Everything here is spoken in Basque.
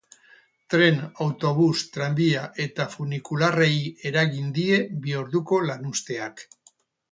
Tren, autobus, tranbia eta funikularrei eragin die bi orduko lanuzteak.